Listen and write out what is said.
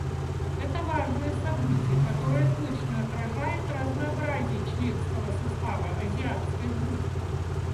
Это важное событие, которое точно отражает разнообразие членского состава Азиатской группы.